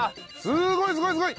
すごいすごい！